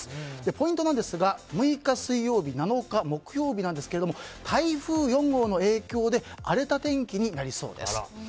ポイントなんですが６日、水曜日、７日、木曜日台風４号の影響で荒れた天気になりそうです。